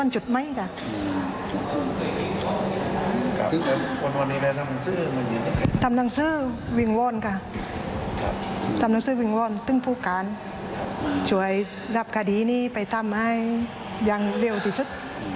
ช่วยรับคดีนี้ไปทำให้อย่างเร็วที่สุด